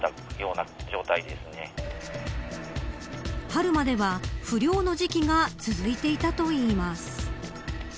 春までは不漁の時期が続いていたといいます。